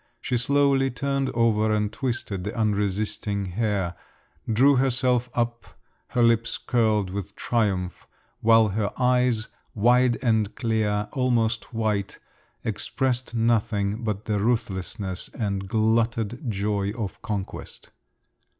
She slowly turned over and twisted the unresisting hair, drew herself up, her lips curled with triumph, while her eyes, wide and clear, almost white, expressed nothing but the ruthlessness and glutted joy of conquest.